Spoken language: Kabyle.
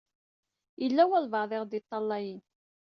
Yella walebɛaḍ i ɣ-d-iṭṭalayen.